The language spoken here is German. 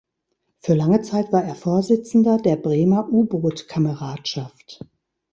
Für lange Zeit war er Vorsitzender der Bremer U-Boot-Kameradschaft.